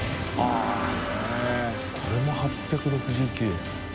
△これも８６９円。